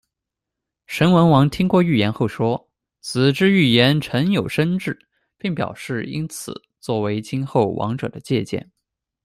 神文王听过寓言后说：“子之寓言诚有深志”，并表示应此作为今后王者的借鉴。